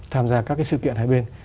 tham gia các sự kiện hai bên